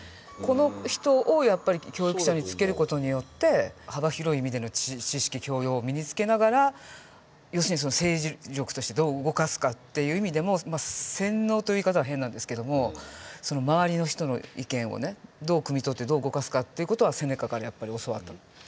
この人をやっぱり教育者につける事によって幅広い意味での知識教養を身につけながら要するに政治力としてどう動かすかっていう意味でも洗脳という言い方は変なんですけども周りの人の意見をねどうくみ取ってどう動かすかっていう事はセネカからやっぱり教わった。